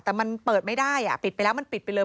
แต่มันเปิดไม่ได้ปิดไปแล้วมันปิดไปเลย